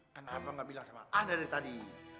kenapa nggak bilang sama anda dari tadi